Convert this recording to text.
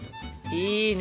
いいね